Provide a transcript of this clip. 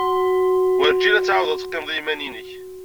Werjin ad tɛawded ad teqqimed i yiman-nnek.